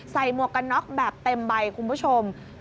หมวกกันน็อกแบบเต็มใบคุณผู้ชม